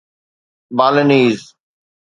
Balinese